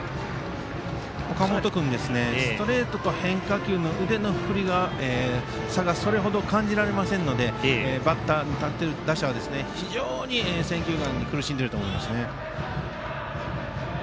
岡本君、ストレートと変化球の腕の振りの差がそれほど感じられませんのでバッターボックスで立っている打者は非常に選球眼に苦しんでいると思います。